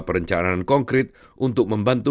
perencanaan konkret untuk membantu